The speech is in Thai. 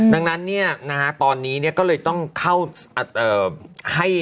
ดังนั้นเนี่ยนะฮะตอนนี้เนี่ยก็เลยต้องเข้าให้